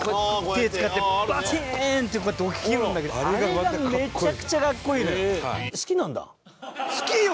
手使ってバチーンってこうやって起きるんだけどあれがめちゃくちゃ格好いいのよ。